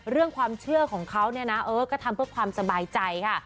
เรื่องความเชื่อของเขาเนี่ยนะเออก็ทำเพื่อความสบายใจค่ะ